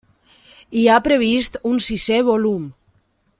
Hi ha previst un sisè volum.